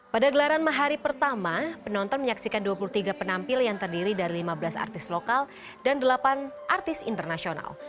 pada gelaran mahari pertama penonton menyaksikan dua puluh tiga penampil yang terdiri dari lima belas artis lokal dan delapan artis internasional